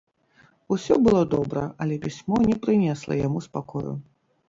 Усё было добра, але пісьмо не прынесла яму спакою.